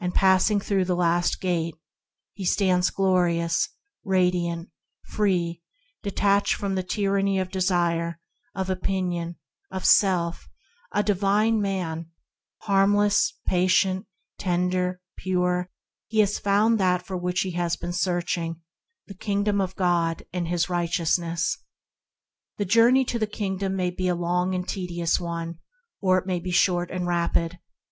Passing through the last great Gate, he stands glorious, radiant, free, detached from the tyranny of desire, of opinion, of self; a divine man, harmless, patient, tender, pure; he has found that for which he has been searching: the Kingdom of God and His Righteousness. The journey to the Kingdom may be a long and tedious one, or it may be short and rapid.